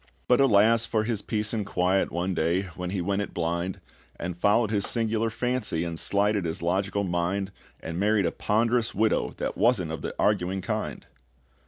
But alas for his peace and quiet, One day, when he went it blind, And followed his singular fancy, And slighted his logical mind, And married a ponderous widow that wasn't of the arguing kind!